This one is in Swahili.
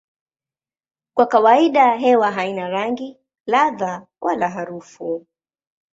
Kwa kawaida hewa haina rangi, ladha wala harufu.